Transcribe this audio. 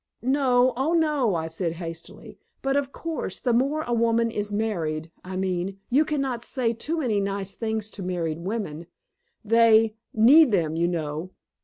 "No, oh, no," I said hastily. "But, of course, the more a woman is married I mean, you can not say too many nice things to married women. They need them, you know."